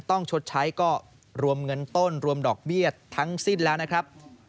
ชดใช้ก็รวมเงินต้นรวมดอกเบี้ยทั้งสิ้นแล้วนะครับ